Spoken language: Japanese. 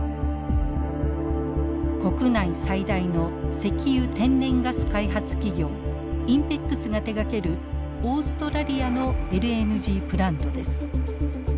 国内最大の石油天然ガス開発企業ＩＮＰＥＸが手がけるオーストラリアのＬＮＧプラントです。